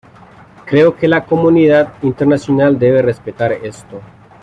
Creo que la comunidad internacional debe respetar esto.